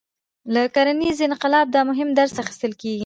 له کرنیز انقلاب دا مهم درس اخیستل کېږي.